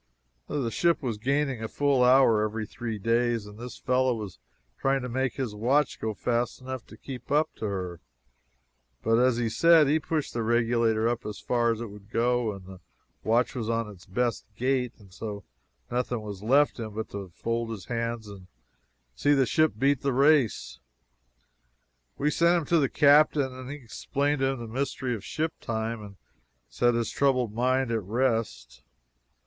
The ship was gaining a full hour every three days, and this fellow was trying to make his watch go fast enough to keep up to her. But, as he had said, he had pushed the regulator up as far as it would go, and the watch was "on its best gait," and so nothing was left him but to fold his hands and see the ship beat the race. We sent him to the captain, and he explained to him the mystery of "ship time" and set his troubled mind at rest.